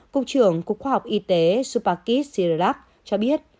cục trưởng cục khoa học y tế supakit sirilak cho biết